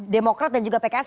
demokraat dan juga pks